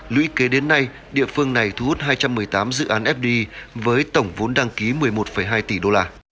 lũy kế đến nay địa phương này thu hút hai trăm một mươi tám dự án fdi với tổng vốn đăng ký một mươi một hai tỷ đô la